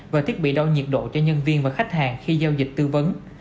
và thiết bị đo nhiệt độ cho nhân viên và khách hàng khi giao dịch tư vấn